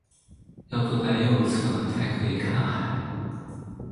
要坐在右侧才可以看海